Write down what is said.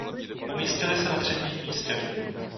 Umístily se na třetím místě.